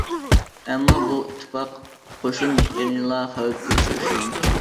ئەمما بۇ ئىتتىپاق قوشۇن يەنىلا خەۋپكە ئۇچرىشى مۇمكىن.